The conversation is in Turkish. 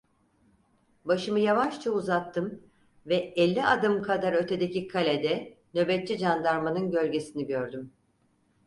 Başımı yavaşça uzattım ve elli adım kadar ötedeki kalede nöbetçi candarmanın gölgesini gördüm.